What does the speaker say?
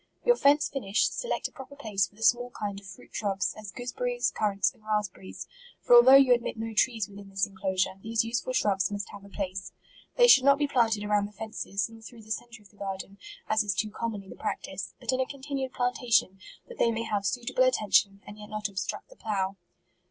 Your fence finished, select a proper place for the small kind of fruit shrubs, as goose berries, currants, and raspberries ; for al though you admit no trees within this inclo sure, these useful shrubs must have a place. They should not be planted around the fen ces, nor through the centre of the garden, as is too commonly the practice, but in a continued plantation, that they may have suitable at tention, and yet not obstruct the plough.